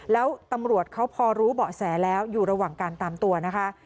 แล้วตำรวจเขาพอรู้เบาะแสแล้วอยู่ระหว่างการตามตัวนะคะ